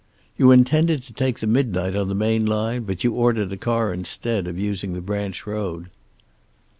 You intended to take the midnight on the main line, but you ordered a car instead of using the branch road."